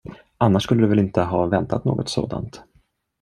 Annars skulle du väl inte ha väntat något sådant.